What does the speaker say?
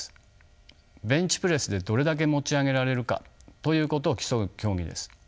ベンチプレスでどれだけ持ち上げられるかということを競う競技です。